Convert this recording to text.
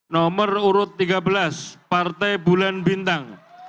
nomor urut tiga belas partai bulan bintang